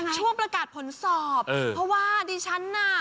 ช่วงประกาศผลสอบเพราะว่าดิฉันน่ะ